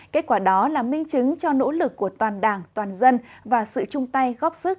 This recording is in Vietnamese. kết quả đó là minh chứng cho nỗ lực của toàn đảng toàn dân và sự chung tay góp sức